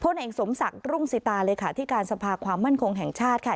เพราะเนี่ยเองสมศักดิ์รุ่งสิตาเลยค่ะที่การสภาความมั่นคงแห่งชาติค่ะ